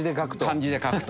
漢字で書くと。